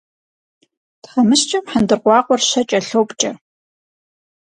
Тхьэмыщкӏэм хьэндыркъуакъуэр щэ кӏэлъопкӏэ.